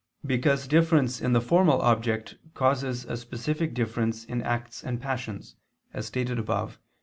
Because difference in the formal object causes a specific difference in acts and passions, as stated above (Q.